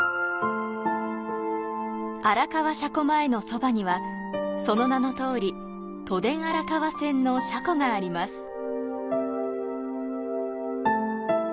荒川車庫前のそばには、その名の通り都電荒川線の車庫があります。